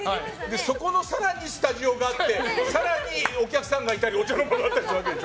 そこの更にスタジオがあって更にお客さんがいたりお茶の間があったりするわけでしょ。